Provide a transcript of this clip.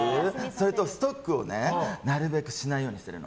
あと、ストックをなるべくしないようにしてる。